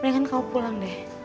mendingan kamu pulang deh